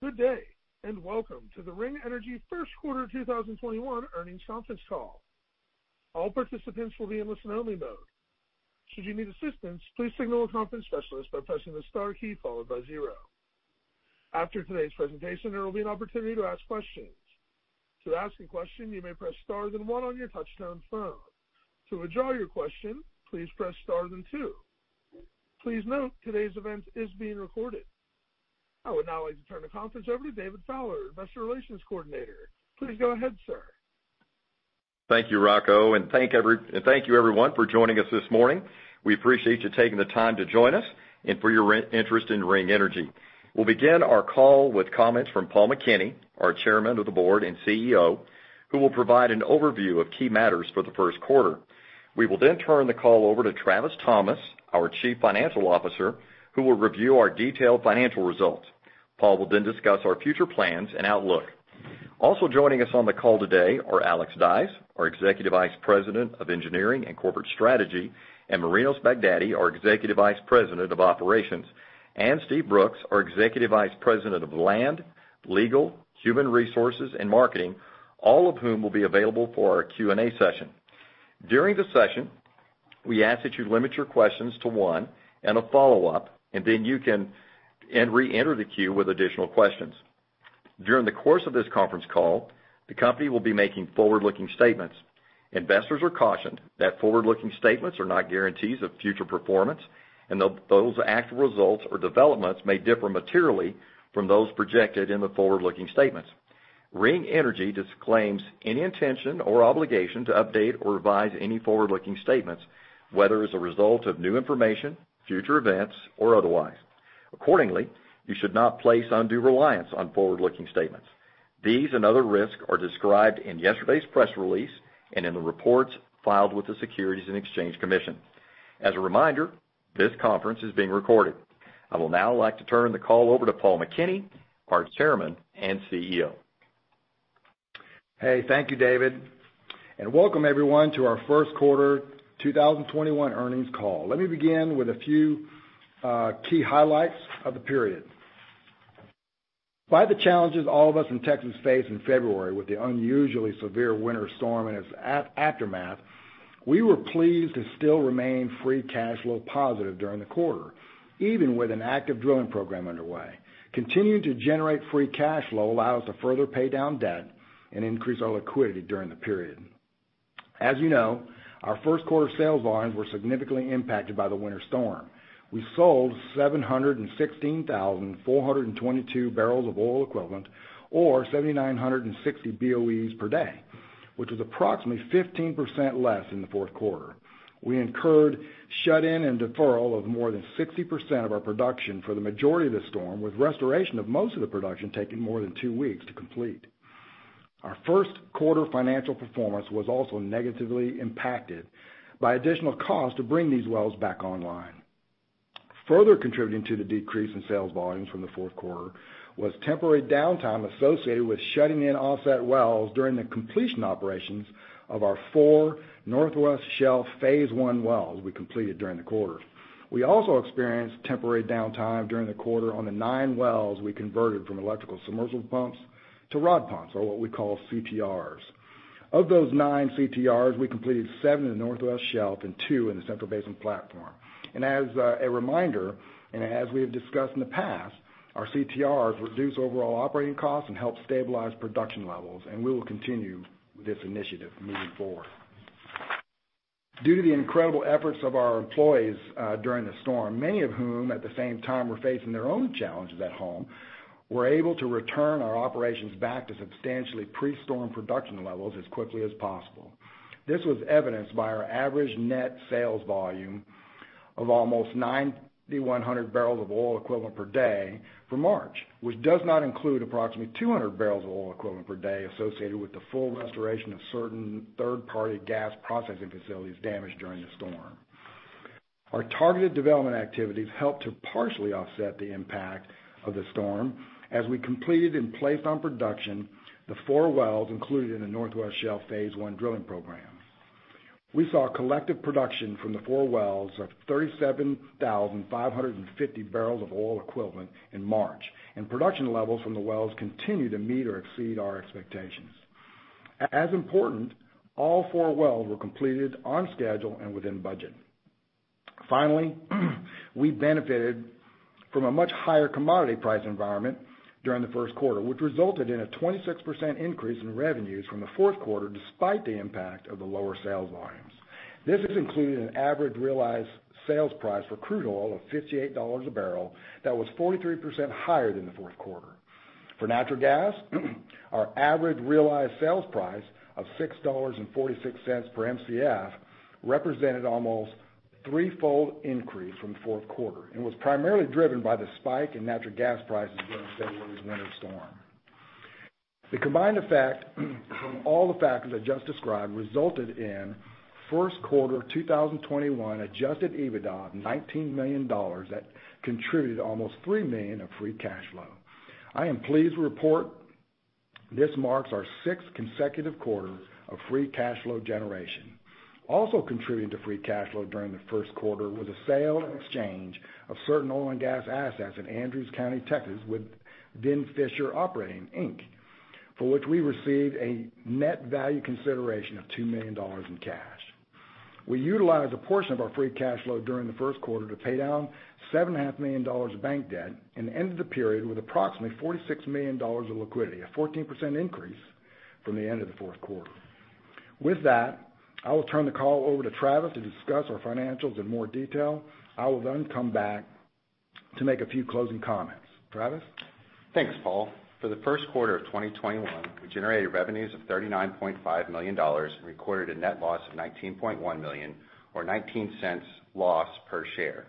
Good day, and welcome to the Ring Energy First Quarter 2021 Earnings Conference Call. All participants will be in listen-only mode. Should you need assistance, please signal a conference specialist by pressing the star key followed by zero. After today's presentation, there will be an opportunity to ask questions. To ask a question, you may press star then one on your touchtone phone. To withdraw your question, please press star then two. Please note, today's event is being recorded. I would now like to turn the conference over to David Fowler, Investor Relations Coordinator. Please go ahead, sir. Thank you, Rocco. Thank you, everyone, for joining us this morning. We appreciate you taking the time to join us and for your interest in Ring Energy. We'll begin our call with comments from Paul McKinney, our Chairman of the Board and Chief Executive Officer, who will provide an overview of key matters for the first quarter. We will then turn the call over to Travis Thomas, our Chief Financial Officer, who will review our detailed financial results. Paul will then discuss our future plans and outlook. Also joining us on the call today are Alex Dyes, our Executive Vice President of Engineering and Corporate Strategy, and Marinos Baghdati, our Executive Vice President of Operations, and Steve Brooks, our Executive Vice President of Land, Legal, Human Resources, and Marketing, all of whom will be available for our Q&A session. During the session, we ask that you limit your questions to one and a follow-up, and then you can reenter the queue with additional questions. During the course of this conference call, the company will be making forward-looking statements. Investors are cautioned that forward-looking statements are not guarantees of future performance, and those actual results or developments may differ materially from those projected in the forward-looking statements. Ring Energy disclaims any intention or obligation to update or revise any forward-looking statements, whether as a result of new information, future events, or otherwise. Accordingly, you should not place undue reliance on forward-looking statements. These and other risks are described in yesterday's press release and in the reports filed with the Securities and Exchange Commission. As a reminder, this conference is being recorded. I will now like to turn the call over to Paul McKinney, our Chairman and CEO. Hey, thank you, David. Welcome everyone to our First Quarter 2021 Earnings Call. Let me begin with a few key highlights of the period. By the challenges all of us in Texas faced in February with the unusually severe winter storm and its aftermath, we were pleased to still remain free cash flow positive during the quarter, even with an active drilling program underway. Continuing to generate free cash flow allowed us to further pay down debt and increase our liquidity during the period. As you know, our first quarter sales volumes were significantly impacted by the winter storm. We sold 716,422 bbl of oil equivalent or 7,960 BOEs per day, which is approximately 15% less than the fourth quarter. We incurred shut-in and deferral of more than 60% of our production for the majority of the storm, with restoration of most of the production taking more than two weeks to complete. Our first quarter financial performance was also negatively impacted by additional cost to bring these wells back online. Further contributing to the decrease in sales volumes from the fourth quarter was temporary downtime associated with shutting in offset wells during the completion operations of our four Northwest Shelf phase I wells we completed during the quarter. We also experienced temporary downtime during the quarter on the nine wells we converted from electrical submersible pumps to rod pumps or what we call CTRs. Of those nine CTRs, we completed seven in the Northwest Shelf and two in the Central Basin Platform. As a reminder, and as we have discussed in the past, our CTRs reduce overall operating costs and help stabilize production levels, and we will continue with this initiative moving forward. Due to the incredible efforts of our employees during the storm, many of whom at the same time were facing their own challenges at home, were able to return our operations back to substantially pre-storm production levels as quickly as possible. This was evidenced by our average net sales volume of almost 9,100 bbl of oil equivalent per day for March, which does not include approximately 200 bbl of oil equivalent per day associated with the full restoration of certain third-party gas processing facilities damaged during the storm. Our targeted development activities helped to partially offset the impact of the storm as we completed and placed on production the four wells included in the Northwest Shelf phase one drilling program. We saw collective production from the four wells of 37,550 bbl of oil equivalent in March, and production levels from the wells continue to meet or exceed our expectations. As important, all four wells were completed on schedule and within budget. Finally, we benefited from a much higher commodity price environment during the first quarter, which resulted in a 26% increase in revenues from the fourth quarter despite the impact of the lower sales volumes. This has included an average realized sales price for crude oil of $58 a bbl that was 43% higher than the fourth quarter. For natural gas, our average realized sales price of $6.46 per Mcf represented almost threefold increase from the fourth quarter and was primarily driven by the spike in natural gas prices during February's winter storm. The combined effect from all the factors I just described resulted in first quarter 2021 adjusted EBITDA of $19 million that contributed almost $3 million of free cash flow. I am pleased to report. This marks our sixth consecutive quarter of free cash flow generation. Also contributing to free cash flow during the first quarter was a sale and exchange of certain oil and gas assets in Andrews County, Texas, with Vin Fisher Operating Inc, for which we received a net value consideration of $2 million in cash. We utilized a portion of our free cash flow during the first quarter to pay down $7.5 million of bank debt and ended the period with approximately $46 million of liquidity, a 14% increase from the end of the fourth quarter. With that, I will turn the call over to Travis to discuss our financials in more detail. I will then come back to make a few closing comments. Travis? Thanks, Paul. For the first quarter of 2021, we generated revenues of $39.5 million and recorded a net loss of $19.1 million, or $0.19 loss per share.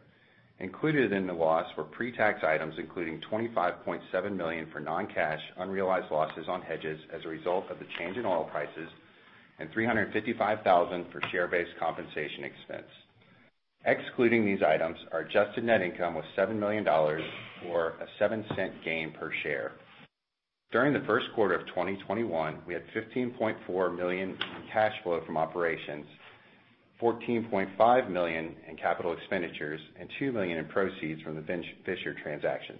Included in the loss were pre-tax items, including $25.7 million for non-cash unrealized losses on hedges as a result of the change in oil prices and $355,000 for share-based compensation expense. Excluding these items, our adjusted net income was $7 million, or a $0.07 gain per share. During the first quarter of 2021, we had $15.4 million in cash flow from operations, $14.5 million in capital expenditures, and $2 million in proceeds from the Vin Fisher transaction.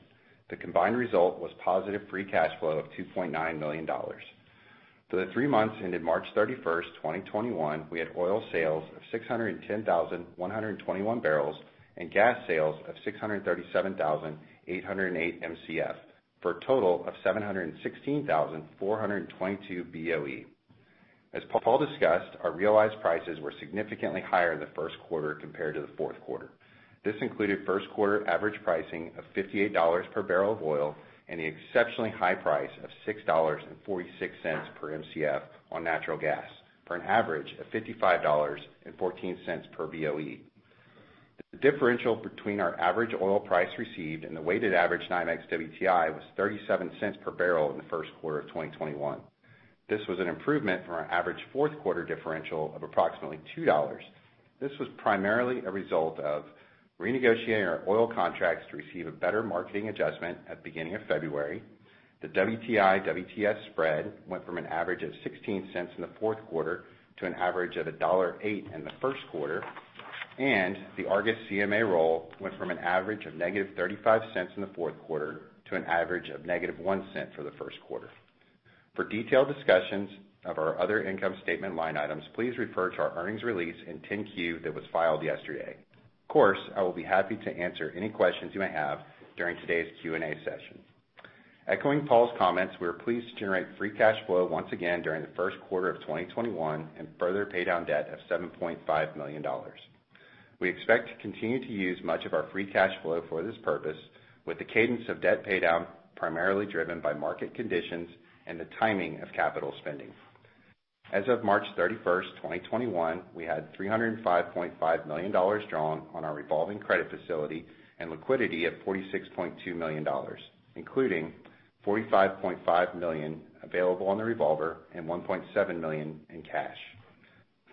The combined result was positive free cash flow of $2.9 million. For the three months ended March 31st, 2021, we had oil sales of 610,121 bbl and gas sales of 637,808 Mcf for a total of 716,422 BOE. As Paul discussed, our realized prices were significantly higher in the first quarter compared to the fourth quarter. This included first quarter average pricing of $58 per bbl of oil and the exceptionally high price of $6.46 per Mcf on natural gas for an average of $55.14 per BOE. The differential between our average oil price received and the weighted average NYMEX WTI was $0.37 per bbl in the first quarter of 2021. This was an improvement from our average fourth quarter differential of approximately $2. This was primarily a result of renegotiating our oil contracts to receive a better marketing adjustment at the beginning of February. The WTI/WTS spread went from an average of $0.16 in the fourth quarter to an average of $1.08 in the first quarter, and the Argus CMA roll went from an average of negative $0.35 in the fourth quarter to an average of negative $0.01 for the first quarter. For detailed discussions of our other income statement line items, please refer to our earnings release and 10-Q that was filed yesterday. Of course, I will be happy to answer any questions you may have during today's Q&A session. Echoing Paul's comments, we are pleased to generate free cash flow once again during the first quarter of 2021 and further pay down debt of $7.5 million. We expect to continue to use much of our free cash flow for this purpose with the cadence of debt pay down primarily driven by market conditions and the timing of capital spending. As of March 31st, 2021, we had $305.5 million drawn on our revolving credit facility and liquidity of $46.2 million, including $45.5 million available on the revolver and $1.7 million in cash.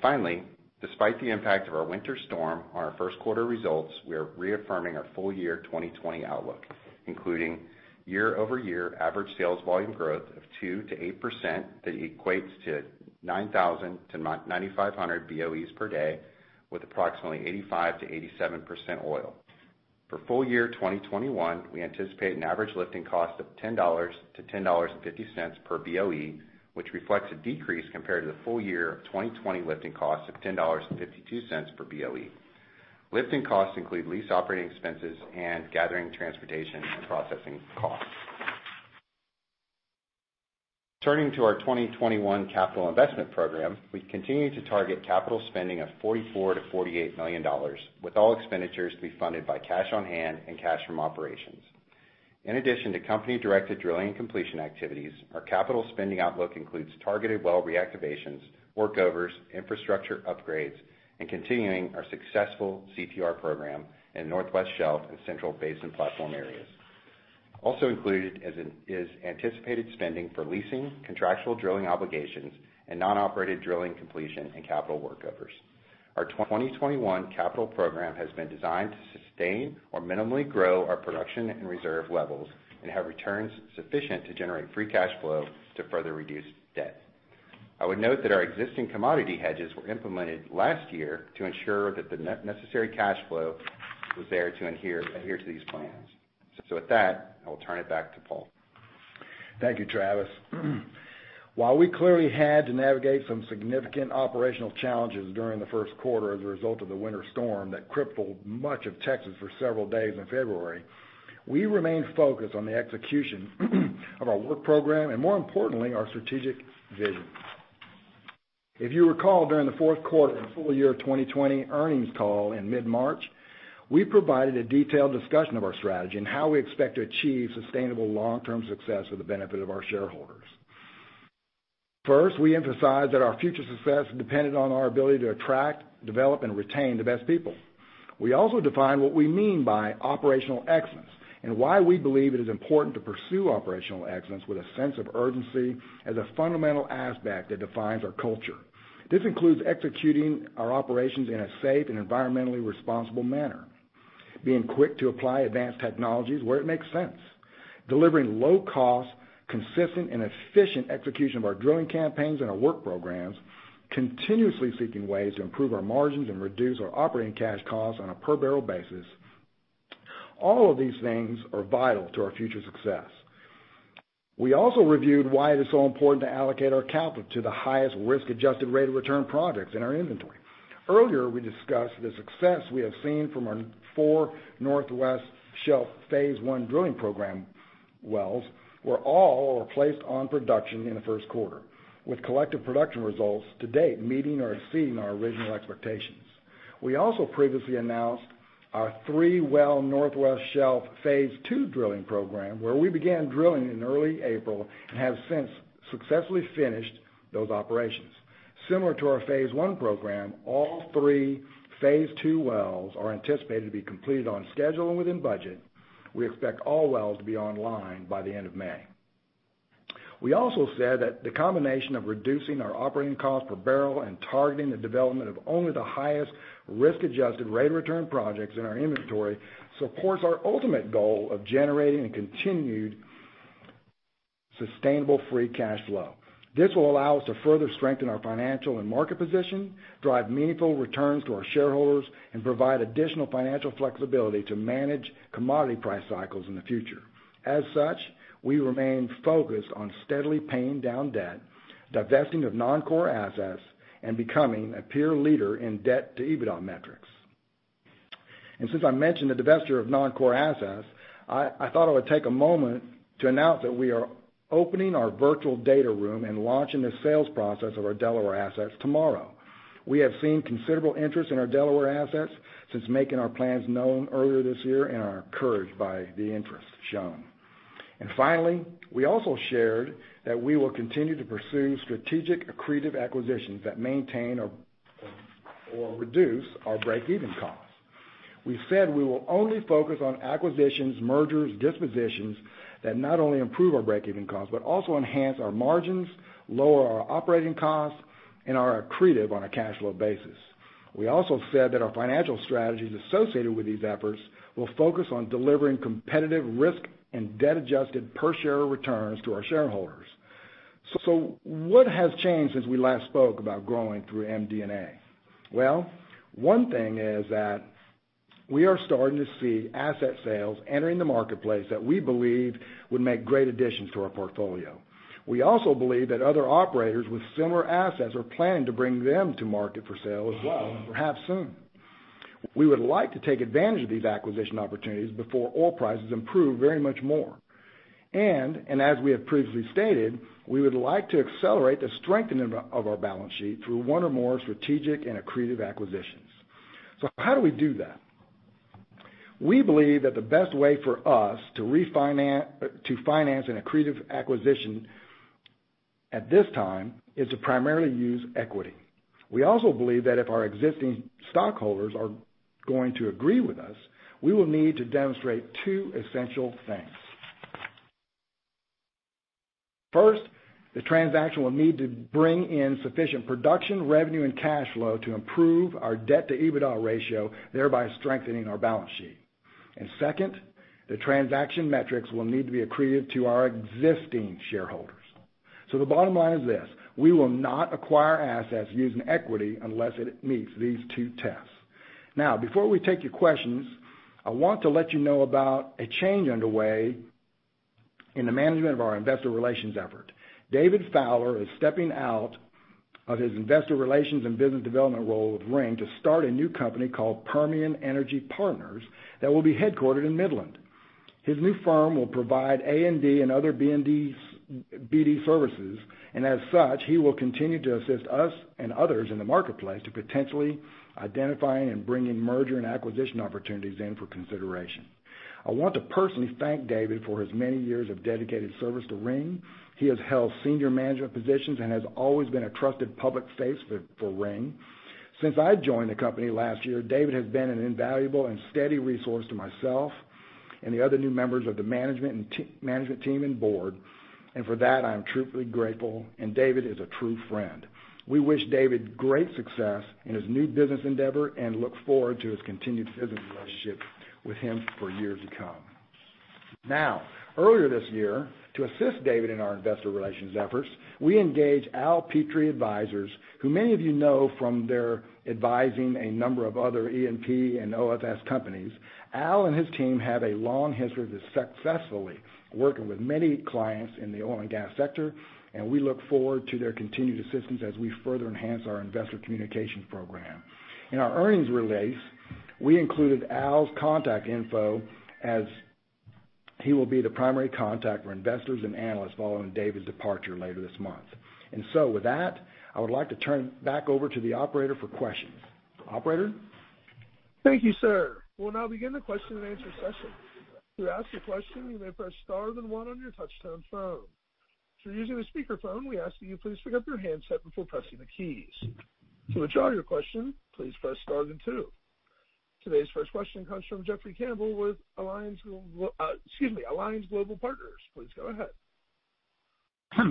Finally, despite the impact of our winter storm on our first quarter results, we are reaffirming our full year 2020 outlook, including year-over-year average sales volume growth of 2%-8%, that equates to 9,000-9,500 BOE per day with approximately 85%-87% oil. For full year 2021, we anticipate an average lifting cost of $10-$10.50 per BOE, which reflects a decrease compared to the full year of 2020 lifting costs of $10.52 per BOE. Lifting costs include lease operating expenses and gathering, transportation, and processing costs. Turning to our 2021 capital investment program, we continue to target capital spending of $44 million-$48 million with all expenditures to be funded by cash on hand and cash from operations. In addition to company-directed drilling completion activities, our capital spending outlook includes targeted well reactivations, workovers, infrastructure upgrades, and continuing our successful CTR program in Northwest Shelf and Central Basin Platform areas. Also included is anticipated spending for leasing, contractual drilling obligations, and non-operated drilling completion and capital workovers. Our 2021 capital program has been designed to sustain or minimally grow our production and reserve levels and have returns sufficient to generate free cash flow to further reduce debt. I would note that our existing commodity hedges were implemented last year to ensure that the necessary cash flow was there to adhere to these plans. With that, I will turn it back to Paul. Thank you, Travis. We clearly had to navigate some significant operational challenges during the first quarter as a result of the winter storm that crippled much of Texas for several days in February, we remain focused on the execution of our work program and more importantly, our strategic vision. If you recall, during the fourth quarter and full year of 2020 earnings call in mid-March, we provided a detailed discussion of our strategy and how we expect to achieve sustainable long-term success for the benefit of our shareholders. First, we emphasized that our future success depended on our ability to attract, develop, and retain the best people. We also defined what we mean by operational excellence and why we believe it is important to pursue operational excellence with a sense of urgency as a fundamental aspect that defines our culture. This includes executing our operations in a safe and environmentally responsible manner, being quick to apply advanced technologies where it makes sense, delivering low-cost, consistent, and efficient execution of our drilling campaigns and our work programs, continuously seeking ways to improve our margins and reduce our operating cash costs on a per-barrel basis. All of these things are vital to our future success. We also reviewed why it is so important to allocate our capital to the highest risk-adjusted rate of return projects in our inventory. Earlier, we discussed the success we have seen from our four Northwest Shelf phase I drilling program wells, where all are placed on production in the first quarter, with collective production results to date meeting or exceeding our original expectations. We also previously announced our three-well Northwest Shelf phase II drilling program, where we began drilling in early April and have since successfully finished those operations. Similar to our phase I program, all three phase II wells are anticipated to be completed on schedule and within budget. We expect all wells to be online by the end of May. We also said that the combination of reducing our operating cost per barrel and targeting the development of only the highest risk-adjusted rate of return projects in our inventory supports our ultimate goal of generating and continued sustainable free cash flow. This will allow us to further strengthen our financial and market position, drive meaningful returns to our shareholders, and provide additional financial flexibility to manage commodity price cycles in the future. As such, we remain focused on steadily paying down debt, divesting of non-core assets, and becoming a peer leader in debt to EBITDA metrics. Since I mentioned the divesture of non-core assets, I thought I would take a moment to announce that we are opening our virtual data room and launching the sales process of our Delaware assets tomorrow. We have seen considerable interest in our Delaware assets since making our plans known earlier this year and are encouraged by the interest shown. Finally, we also shared that we will continue to pursue strategic accretive acquisitions that maintain or reduce our break-even costs. We said we will only focus on acquisitions, mergers, dispositions that not only improve our break-even costs, but also enhance our margins, lower our operating costs, and are accretive on a cash flow basis. We also said that our financial strategies associated with these efforts will focus on delivering competitive risk and debt-adjusted per-share returns to our shareholders. What has changed since we last spoke about growing through M&A? Well, one thing is that we are starting to see asset sales entering the marketplace that we believe would make great additions to our portfolio. We also believe that other operators with similar assets are planning to bring them to market for sale as well, and perhaps soon. We would like to take advantage of these acquisition opportunities before oil prices improve very much more. As we have previously stated, we would like to accelerate the strengthening of our balance sheet through one or more strategic and accretive acquisitions. How do we do that? We believe that the best way for us to finance an accretive acquisition at this time is to primarily use equity. We also believe that if our existing stockholders are going to agree with us, we will need to demonstrate two essential things. First, the transaction will need to bring in sufficient production revenue and cash flow to improve our debt to EBITDA ratio, thereby strengthening our balance sheet. Second, the transaction metrics will need to be accretive to our existing shareholders. The bottom line is this: we will not acquire assets using equity unless it meets these two tests. Before we take your questions, I want to let you know about a change underway in the management of our investor relations effort. David Fowler is stepping out of his investor relations and business development role with Ring to start a new company called Permian Energy Partners that will be headquartered in Midland. His new firm will provide A&D and other BD services, and as such, he will continue to assist us and others in the marketplace to potentially identify and bring in merger and acquisition opportunities in for consideration. I want to personally thank David for his many years of dedicated service to Ring. He has held senior management positions and has always been a trusted public face for Ring. Since I joined the company last year, David has been an invaluable and steady resource to myself and the other new members of the management team and board, and for that I am truthfully grateful, and David is a true friend. We wish David great success in his new business endeavor and look forward to his continued business relationship with him for years to come. Now, earlier this year, to assist David in our investor relations efforts, we engaged Al Petrie Advisors, who many of you know from their advising a number of other E&P and OFS companies. Al and his team have a long history of successfully working with many clients in the oil and gas sector, and we look forward to their continued assistance as we further enhance our investor communications program. In our earnings release, we included Al's contact info as he will be the primary contact for investors and analysts following David's departure later this month. With that, I would like to turn back over to the operator for questions. Operator? Thank you, sir. We'll now begin the question and answer session. To ask a question, you may press star then one on your touchtone phone. If you're using a speakerphone, we ask that you please pick up your handset before pressing the keys. To withdraw your question, please press star then two. Today's first question comes from Jeffrey Campbell with Alliance Global Partners. Please go ahead.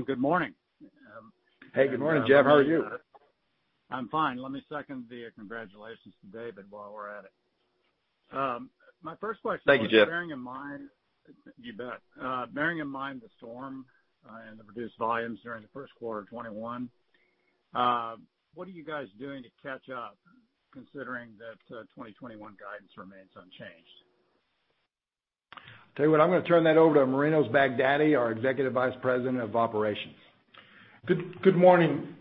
Good morning. Hey, good morning, Jeff. How are you? I'm fine. Let me second the congratulations to David while we're at it. Thank you, Jeff. You bet. Bearing in mind the storm and the reduced volumes during the first quarter of 2021, what are you guys doing to catch up, considering that 2021 guidance remains unchanged? Tell you what, I'm going to turn that over to Marinos Baghdati, our Executive Vice President of Operations. Good morning.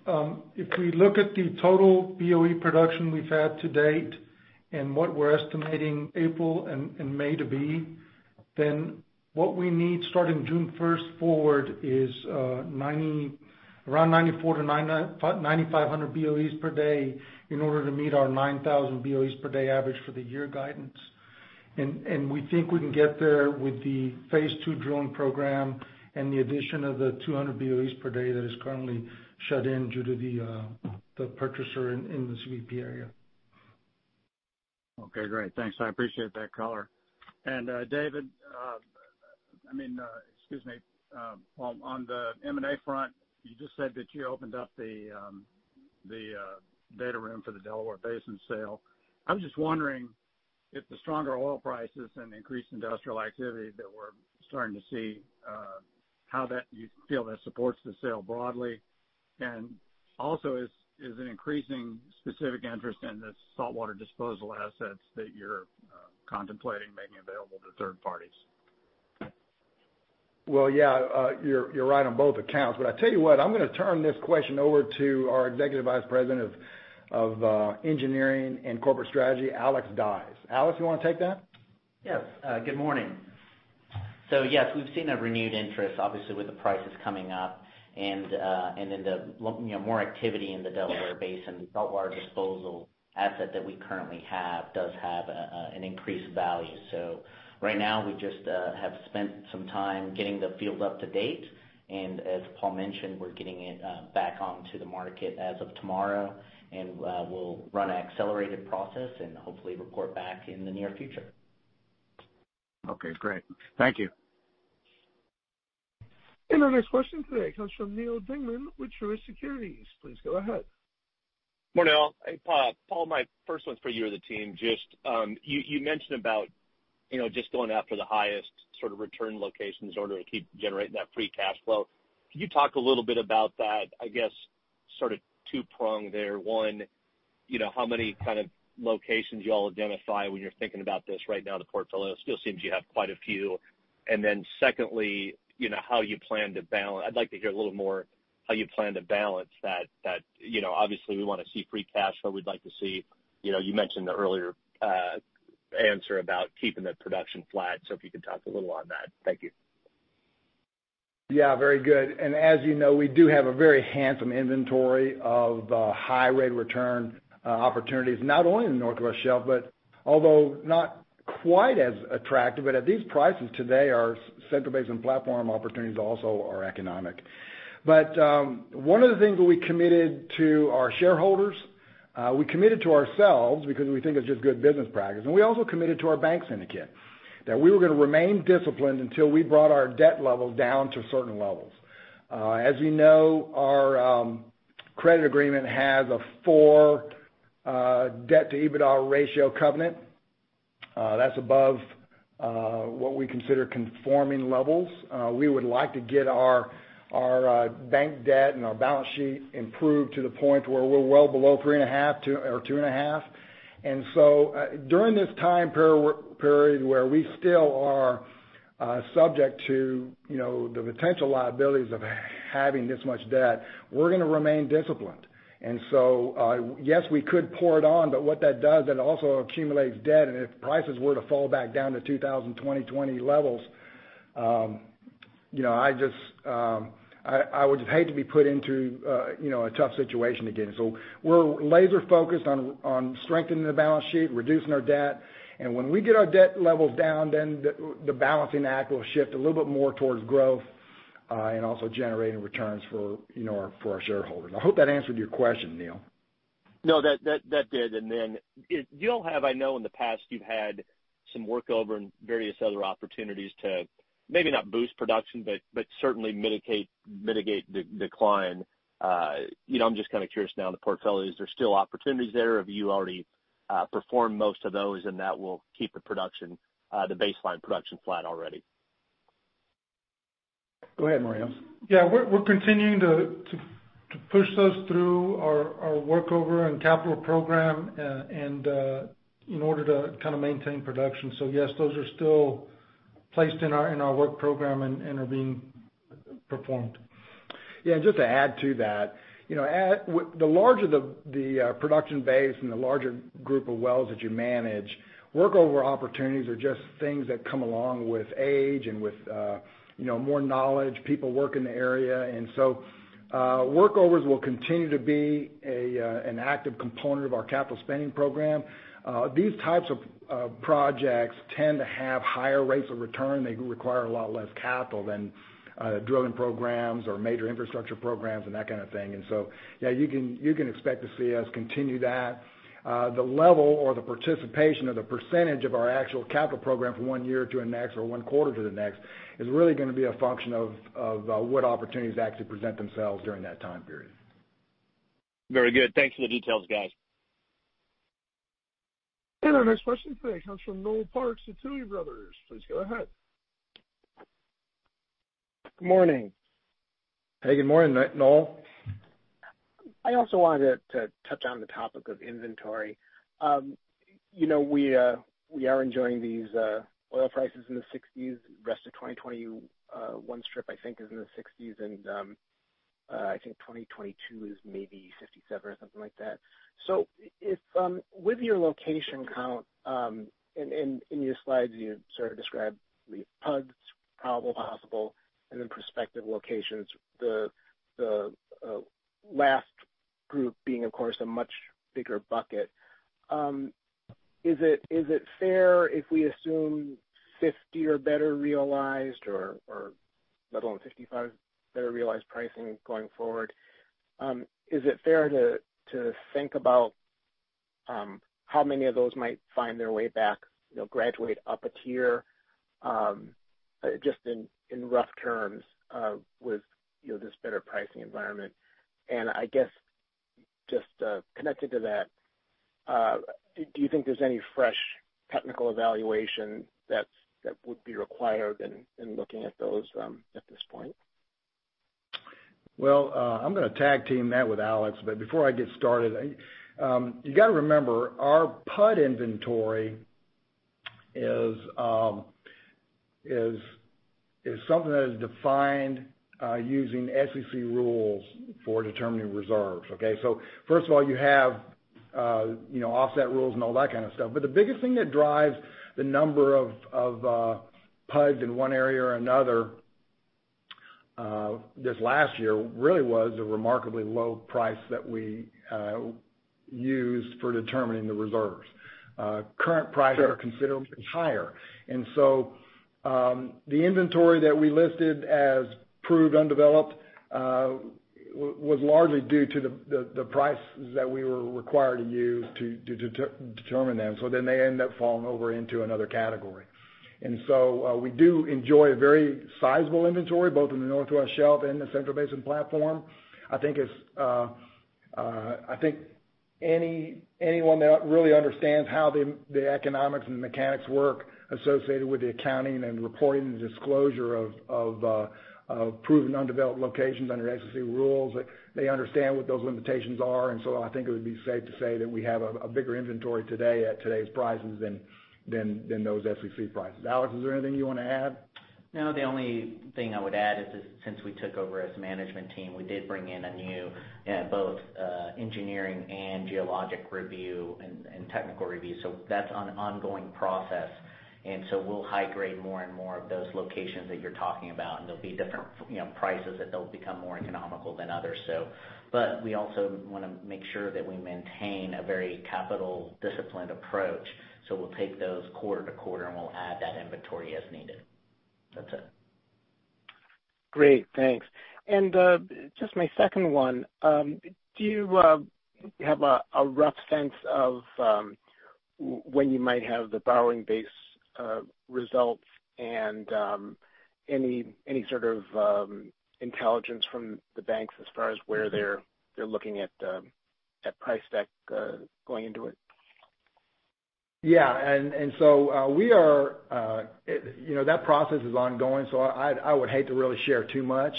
If we look at the total BOE production we've had to date and what we're estimating April and May to be, then what we need starting June 1st forward is around 9,400-9,500 BOEs per day in order to meet our 9,000 BOEs per day average for the year guidance. We think we can get there with the phase two drilling program and the addition of the 200 BOEs per day that is currently shut in due to the purchaser in the CBP area. Okay, great. Thanks. I appreciate that color. David, excuse me. Paul, on the M&A front, you just said that you opened up the data room for the Delaware Basin sale. I'm just wondering if the stronger oil prices and increased industrial activity that we're starting to see, how you feel that supports the sale broadly, and also is an increasing specific interest in the saltwater disposal assets that you're contemplating making available to third parties? Well, yeah. You're right on both accounts, but I tell you what, I'm going to turn this question over to our Executive Vice President of Engineering and Corporate Strategy, Alex Dyes. Alex, you want to take that? Yes. Good morning. Yes, we've seen a renewed interest, obviously, with the prices coming up and then the more activity in the Delaware Basin. The saltwater disposal asset that we currently have does have an increased value. Right now, we just have spent some time getting the field up to date, and as Paul mentioned, we're getting it back onto the market as of tomorrow, and we'll run an accelerated process and hopefully report back in the near future. Okay, great. Thank you. Our next question today comes from Neal Dingmann with Truist Securities. Please go ahead. Morning, all. Hey, Paul, my first one's for you or the team. You mentioned about just going after the highest sort of return locations in order to keep generating that free cash flow. Can you talk a little bit about that, I guess sort of two-pronged there? One, how many kind of locations you all identify when you're thinking about this right now in the portfolio? Still seems you have quite a few. Secondly, I'd like to hear a little more how you plan to balance that. Obviously, we want to see free cash flow. We'd like to see, you mentioned the earlier answer about keeping the production flat, if you could talk a little on that. Thank you. Very good. As you know, we do have a very handsome inventory of high-rate return opportunities, not only in the Northwest Shelf, but although not quite as attractive, but at these prices today, our Central Basin Platform opportunities also are economic. One of the things that we committed to our shareholders, we committed to ourselves because we think it's just good business practice, and we also committed to our bank syndicate, that we were going to remain disciplined until we brought our debt levels down to certain levels. As you know, our credit agreement has a 4 debt to EBITDA ratio covenant. That's above what we consider conforming levels. We would like to get our bank debt and our balance sheet improved to the point where we're well below 3.5 or 2.5. During this time period where we still are subject to the potential liabilities of having this much debt, we're going to remain disciplined. Yes, we could pour it on, but what that does, that also accumulates debt, and if prices were to fall back down to 2020 levels, I would hate to be put into a tough situation again. We're laser focused on strengthening the balance sheet, reducing our debt, and when we get our debt levels down, then the balancing act will shift a little bit more towards growth, and also generating returns for our shareholders. I hope that answered your question, Neal. No, that did. You all have, I know in the past, you've had some workover and various other opportunities to maybe not boost production, but certainly mitigate decline. I'm just kind of curious now in the portfolio, is there still opportunities there? Have you already performed most of those and that will keep the baseline production flat already? Go ahead, Marinos. Yeah. We're continuing to push those through our workover and capital program in order to kind of maintain production. Yes, those are still placed in our work program and are being performed. Yeah, just to add to that, the larger the production base and the larger group of wells that you manage, workover opportunities are just things that come along with age and with more knowledge, people work in the area. Workovers will continue to be an active component of our capital spending program. These types of projects tend to have higher rates of return. They require a lot less capital than drilling programs or major infrastructure programs and that kind of thing. Yeah, you can expect to see us continue that. The level or the participation of the percentage of our actual capital program from one year to the next or one quarter to the next is really going to be a function of what opportunities actually present themselves during that time period. Very good. Thanks for the details, guys. Our next question today comes from Noel Parks at Tuohy Brothers. Please go ahead. Good morning. Hey. Good morning, Noel. I also wanted to touch on the topic of inventory. We are enjoying these oil prices in the $60s. Rest of 2021 strip, I think, is in the $60s, and I think 2022 is maybe $57 or something like that. With your location count, in your slides, you sort of described the PUDs, probable, possible, and then prospective locations, the last group being, of course, a much bigger bucket. Is it fair if we assume $50 or better realized or let alone $55 better realized pricing going forward? Is it fair to think about how many of those might find their way back, graduate up a tier, just in rough terms with this better pricing environment? I guess, just connected to that, do you think there's any fresh technical evaluation that would be required in looking at those at this point? I'm going to tag team that with Alex, but before I get started, you got to remember our PUD inventory is something that is defined using SEC rules for determining reserves. First of all, you have offset rules and all that kind of stuff. The biggest thing that drives the number of PUDs in one area or another, this last year really was a remarkably low price that we used for determining the reserves. Current prices are considerably higher, the inventory that we listed as proved undeveloped was largely due to the prices that we were required to use to determine them. They end up falling over into another category. We do enjoy a very sizable inventory both in the Northwest Shelf and the Central Basin Platform. I think anyone that really understands how the economics and mechanics work associated with the accounting and reporting and disclosure of proven undeveloped locations under SEC rules, they understand what those limitations are. I think it would be safe to say that we have a bigger inventory today at today's prices than those SEC prices. Alex, is there anything you want to add? No, the only thing I would add is that since we took over as management team, we did bring in a new both engineering and geologic review and technical review. That's an ongoing process. We'll high grade more and more of those locations that you're talking about, and there'll be different prices that they'll become more economical than others. We also want to make sure that we maintain a very capital disciplined approach. We'll take those quarter to quarter, and we'll add that inventory as needed. That's it. Great. Thanks. Just my second one, do you have a rough sense of when you might have the borrowing base results and any sort of intelligence from the banks as far as where they're looking at price deck going into it? Yeah. That process is ongoing, so I would hate to really share too much.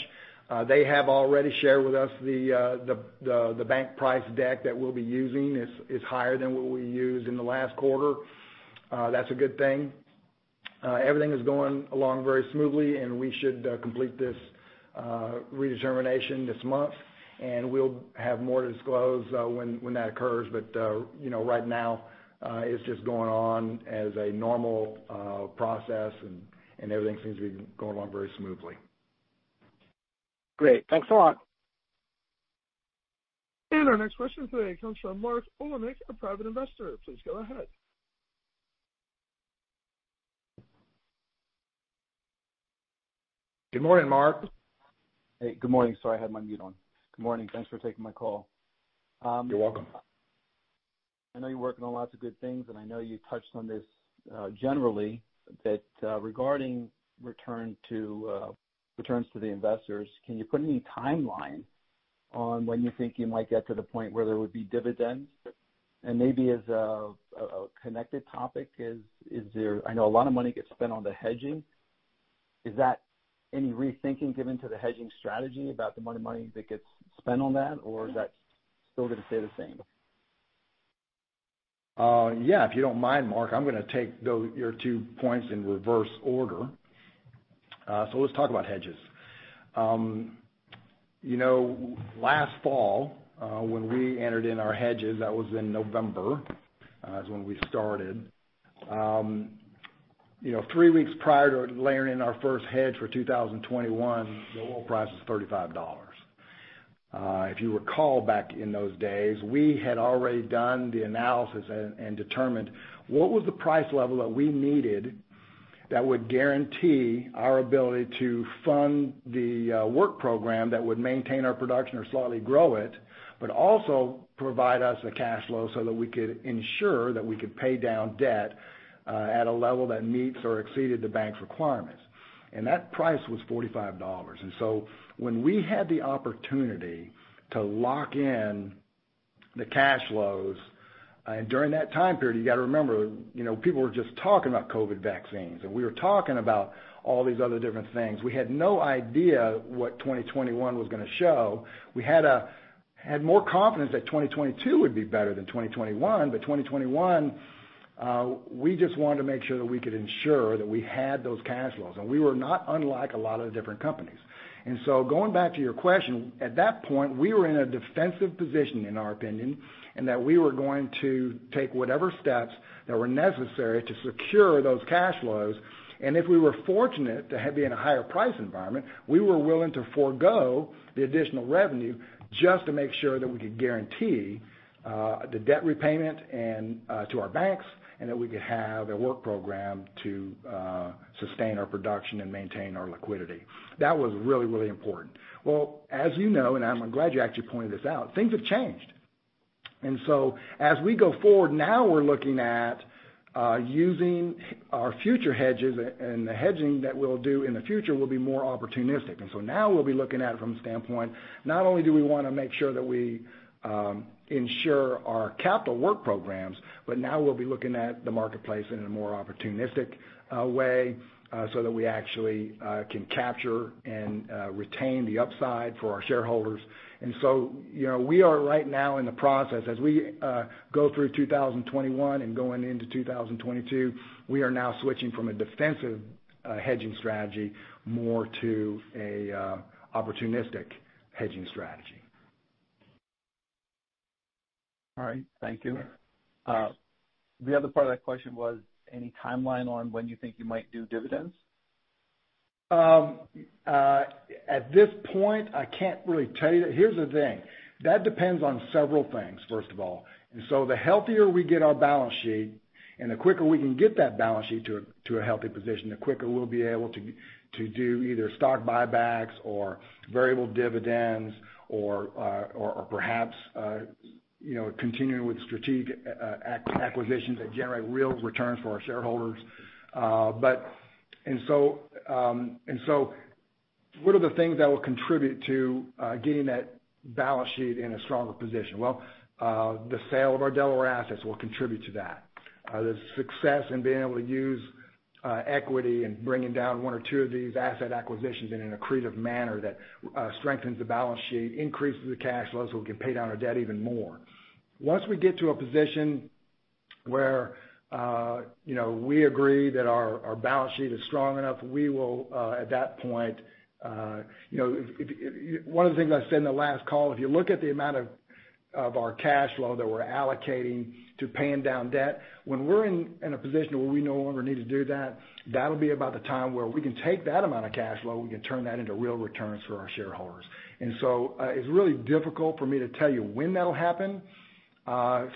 They have already shared with us the bank price deck that we'll be using is higher than what we used in the last quarter. That's a good thing. Everything is going along very smoothly, and we should complete this redetermination this month, and we'll have more to disclose when that occurs. Right now, it's just going on as a normal process, and everything seems to be going along very smoothly. Great. Thanks a lot. Our next question today comes from Mark Oleynik, a private investor. Please go ahead. Good morning, Mark. Hey, good morning. Sorry, I had my mute on. Good morning. Thanks for taking my call. You're welcome. I know you're working on lots of good things, and I know you touched on this generally, that regarding returns to the investors, can you put any timeline on when you think you might get to the point where there would be dividends? Maybe as a connected topic is, I know a lot of money gets spent on the hedging. Is that any rethinking given to the hedging strategy about the amount of money that gets spent on that, or is that still going to stay the same? Yeah, if you don't mind, Mark, I'm going to take your two points in reverse order. Let's talk about hedges. Last fall, when we entered in our hedges, that was in November, is when we started. Three weeks prior to layering in our first hedge for 2021, the oil price was $35. If you recall back in those days, we had already done the analysis and determined what was the price level that we needed that would guarantee our ability to fund the work program that would maintain our production or slightly grow it, also provide us the cash flow so that we could ensure that we could pay down debt at a level that meets or exceeded the bank's requirements. That price was $45. When we had the opportunity to lock in the cash flows, and during that time period, you got to remember, people were just talking about COVID vaccines, and we were talking about all these other different things. We had no idea what 2021 was going to show. We had more confidence that 2022 would be better than 2021. 2021, we just wanted to make sure that we could ensure that we had those cash flows, and we were not unlike a lot of the different companies. Going back to your question, at that point, we were in a defensive position, in our opinion, and that we were going to take whatever steps that were necessary to secure those cash flows. If we were fortunate to be in a higher price environment, we were willing to forego the additional revenue just to make sure that we could guarantee the debt repayment to our banks, and that we could have a work program to sustain our production and maintain our liquidity. That was really important. Well, as you know, and I'm glad you actually pointed this out, things have changed. As we go forward, now we're looking at using our future hedges, and the hedging that we'll do in the future will be more opportunistic. Now we'll be looking at it from the standpoint, not only do we want to make sure that we ensure our capital work programs, but now we'll be looking at the marketplace in a more opportunistic way so that we actually can capture and retain the upside for our shareholders. We are right now in the process. As we go through 2021 and going into 2022, we are now switching from a defensive hedging strategy more to an opportunistic hedging strategy. All right, thank you. The other part of that question was any timeline on when you think you might do dividends? At this point, I can't really tell you. Here's the thing. That depends on several things, first of all. The healthier we get our balance sheet, and the quicker we can get that balance sheet to a healthy position, the quicker we'll be able to do either stock buybacks or variable dividends or perhaps continuing with strategic acquisitions that generate real returns for our shareholders. What are the things that will contribute to getting that balance sheet in a stronger position? Well, the sale of our Delaware assets will contribute to that. The success in being able to use equity and bringing down one or two of these asset acquisitions in an accretive manner that strengthens the balance sheet, increases the cash flows so we can pay down our debt even more. Once we get to a position where we agree that our balance sheet is strong enough, we will at that point one of the things I said in the last call, if you look at the amount of our cash flow that we're allocating to paying down debt, when we're in a position where we no longer need to do that'll be about the time where we can take that amount of cash flow, we can turn that into real returns for our shareholders. It's really difficult for me to tell you when that'll happen.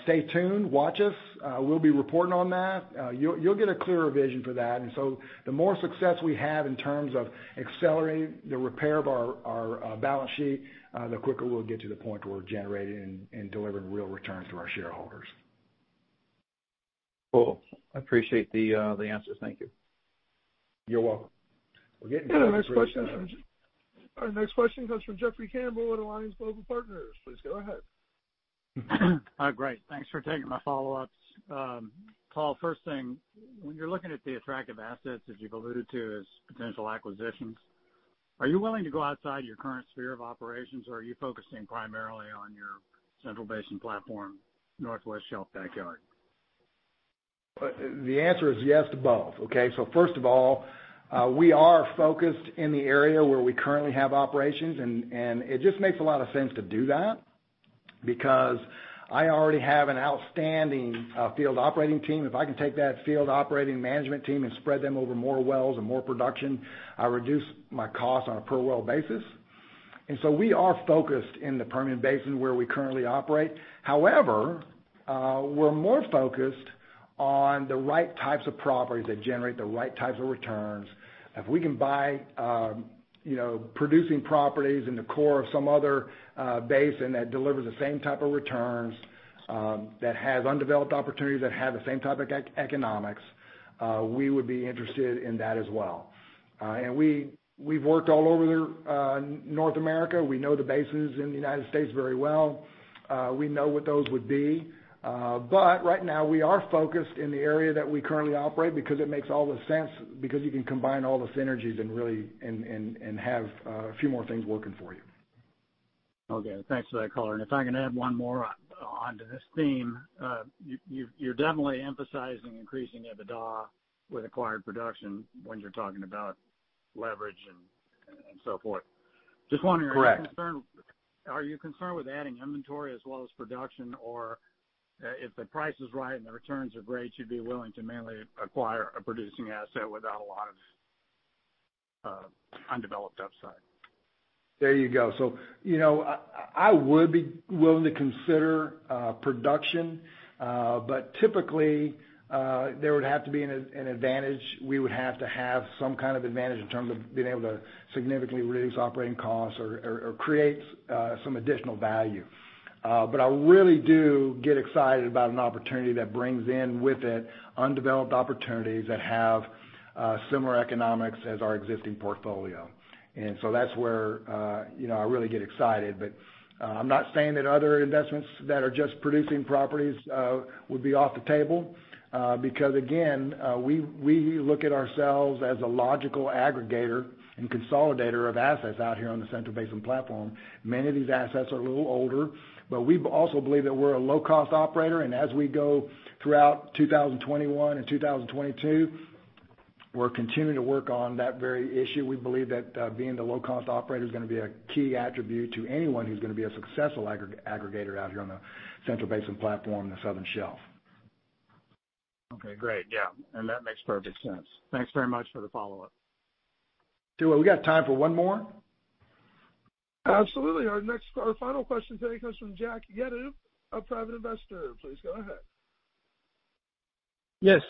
Stay tuned, watch us. We'll be reporting on that. You'll get a clearer vision for that. The more success we have in terms of accelerating the repair of our balance sheet, the quicker we'll get to the point where we're generating and delivering real returns to our shareholders. Cool. I appreciate the answers. Thank you. You're welcome. We're getting close. Our next question comes from Jeffrey Campbell at Alliance Global Partners. Please go ahead. Great. Thanks for taking my follow-ups. Paul, first thing, when you're looking at the attractive assets as you've alluded to as potential acquisitions, are you willing to go outside your current sphere of operations, or are you focusing primarily on your Central Basin Platform Northwest Shelf backyard? The answer is yes to both. Okay? First of all, we are focused in the area where we currently have operations, it just makes a lot of sense to do that because I already have an outstanding field operating team. If I can take that field operating management team and spread them over more wells and more production, I reduce my cost on a per well basis. We are focused in the Permian Basin where we currently operate. However, we're more focused on the right types of properties that generate the right types of returns. If we can buy producing properties in the core of some other basin that delivers the same type of returns, that has undeveloped opportunities, that have the same type of economics, we would be interested in that as well. We've worked all over North America. We know the basins in the U.S. very well. We know what those would be. Right now we are focused in the area that we currently operate because it makes all the sense because you can combine all the synergies and have a few more things working for you. Okay. Thanks for that color. If I can add one more onto this theme. You're definitely emphasizing increasing EBITDA with acquired production when you're talking about leverage and so forth. Correct Are you concerned with adding inventory as well as production? If the price is right and the returns are great, you'd be willing to mainly acquire a producing asset without a lot of undeveloped upside? There you go. I would be willing to consider production, typically, there would have to be an advantage. We would have to have some kind of advantage in terms of being able to significantly reduce operating costs or create some additional value. I really do get excited about an opportunity that brings in with it undeveloped opportunities that have similar economics as our existing portfolio. That's where I really get excited. I'm not saying that other investments that are just producing properties would be off the table. Again, we look at ourselves as a logical aggregator and consolidator of assets out here on the Central Basin Platform. Many of these assets are a little older. We also believe that we're a low-cost operator, and as we go throughout 2021 and 2022, we're continuing to work on that very issue. We believe that being the low-cost operator is going to be a key attribute to anyone who's going to be a successful aggregator out here on the Central Basin Platform in the Southern Shelf. Okay, great. Yeah. That makes perfect sense. Thanks very much for the follow-up. Stuart, we got time for one more? Absolutely. Our final question today comes from Jack Yedid, a private investor. Please go ahead. Yes,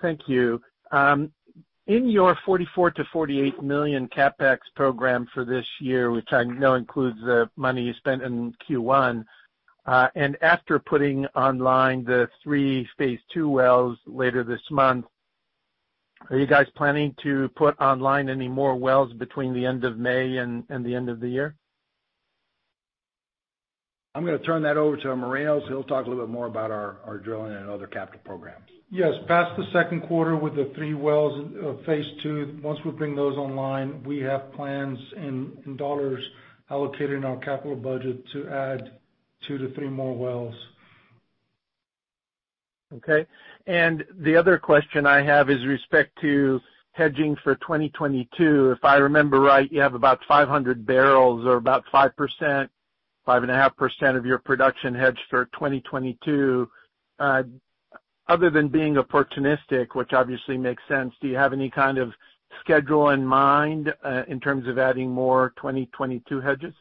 thank you. In your $44 million-$48 million CapEx program for this year, which I know includes the money you spent in Q1, and after putting online the three phase II wells later this month, are you guys planning to put online any more wells between the end of May and the end of the year? I'm going to turn that over to Marinos, so he'll talk a little bit more about our drilling and other capital programs. Yes. Past the second quarter with the three wells of phase two, once we bring those online, we have plans and dollars allocated in our capital budget to add two-three more wells. Okay. The other question I have is respect to hedging for 2022. If I remember right, you have about 500 bbl or about 5%, 5.5% of your production hedged for 2022. Other than being opportunistic, which obviously makes sense, do you have any kind of schedule in mind in terms of adding more 2022 hedges?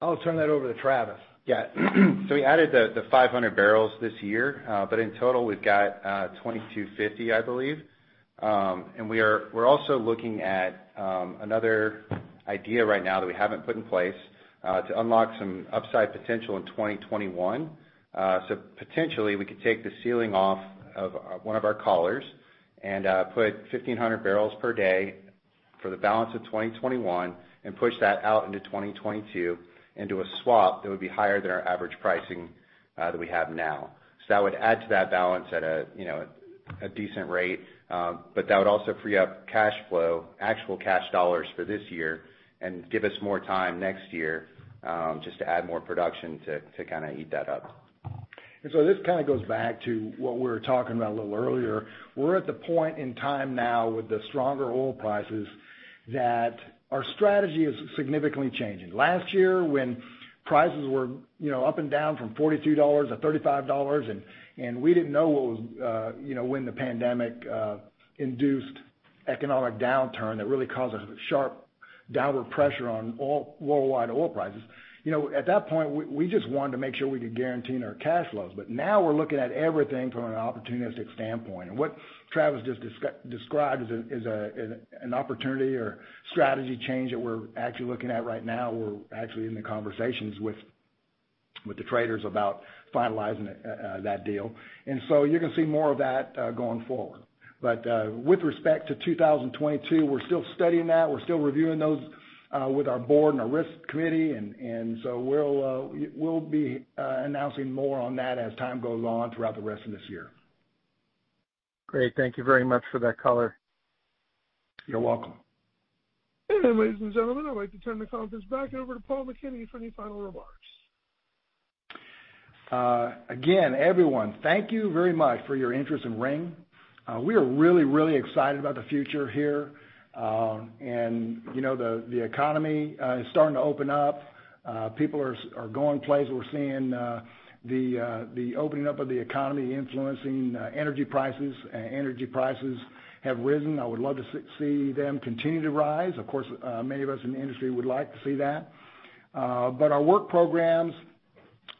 I'll turn that over to Travis. We added the 500 bbl this year. In total, we've got 2,250, I believe. We're also looking at another idea right now that we haven't put in place to unlock some upside potential in 2021. Potentially, we could take the ceiling off of one of our collars and put 1,500 bbl per day for the balance of 2021 and push that out into 2022 into a swap that would be higher than our average pricing that we have now. That would add to that balance at a decent rate. That would also free up cash flow, actual cash dollars for this year and give us more time next year, just to add more production to kind of eat that up. This kind of goes back to what we were talking about a little earlier. We're at the point in time now with the stronger oil prices, that our strategy is significantly changing. Last year when prices were up and down from $42-$35, and we didn't know when the pandemic-induced economic downturn that really caused a sharp downward pressure on worldwide oil prices. At that point, we just wanted to make sure we could guarantee our cash flows. Now we're looking at everything from an opportunistic standpoint. What Travis just described is an opportunity or strategy change that we're actually looking at right now. We're actually in the conversations with the traders about finalizing that deal. You're going to see more of that going forward. With respect to 2022, we're still studying that. We're still reviewing those with our board and our risk committee. We'll be announcing more on that as time goes on throughout the rest of this year. Great. Thank you very much for that color. You're welcome. Ladies and gentlemen, I'd like to turn the conference back over to Paul McKinney for any final remarks. Again, everyone, thank you very much for your interest in Ring. We are really, really excited about the future here. The economy is starting to open up. People are going places. We're seeing the opening up of the economy influencing energy prices. Energy prices have risen. I would love to see them continue to rise. Of course, many of us in the industry would like to see that. Our work programs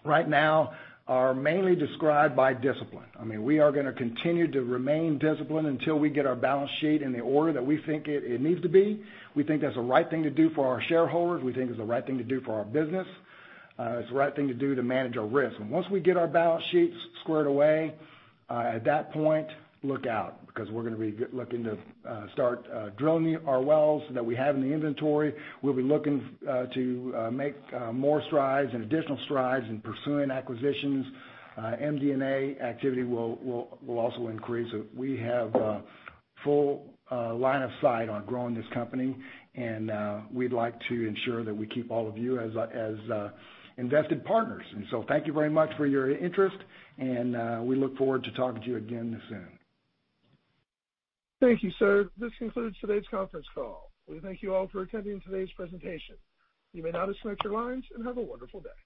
right now are mainly described by discipline. We are going to continue to remain disciplined until we get our balance sheet in the order that we think it needs to be. We think that's the right thing to do for our shareholders. We think it's the right thing to do for our business. It's the right thing to do to manage our risk. Once we get our balance sheets squared away, at that point, look out, because we're going to be looking to start drilling our wells that we have in the inventory. We'll be looking to make more strides and additional strides in pursuing acquisitions. M&A activity will also increase. We have a full line of sight on growing this company, and we'd like to ensure that we keep all of you as invested partners. Thank you very much for your interest, and we look forward to talking to you again soon. Thank you, sir. This concludes today's conference call. We thank you all for attending today's presentation. You may now disconnect your lines, and have a wonderful day.